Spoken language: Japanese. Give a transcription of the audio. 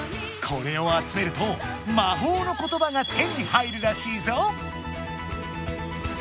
これを集めると「魔法のことば」が手に入るらしいぞ！